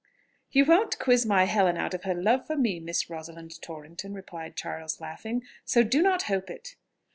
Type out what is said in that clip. "You won't quiz my Helen out of her love for me, Miss Rosalind Torrington," replied Charles, laughing; "so do not hope it."